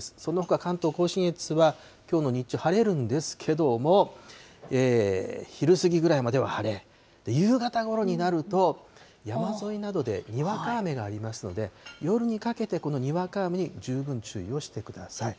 そのほか、関東甲信越はきょうの日中、晴れるんですけども、昼過ぎぐらいまでは晴れ、夕方ごろになると、山沿いなどでにわか雨がありますので、夜にかけて、このにわか雨に十分注意をしてください。